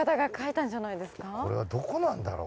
これはどこなんだろう？